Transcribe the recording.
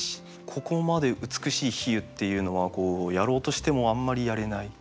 ここまで美しい比喩っていうのはやろうとしてもあんまりやれない。